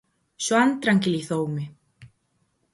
Xoán tranquilizoume.